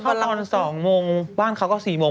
คิดว่าจะบรรลอน๒โมงบ้านเขาก็๔โมง